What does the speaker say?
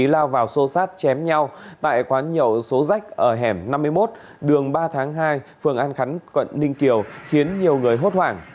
lao vào xô xát chém nhau tại quán nhậu số rách ở hẻm năm mươi một đường ba tháng hai phường an khánh quận ninh kiều khiến nhiều người hốt hoảng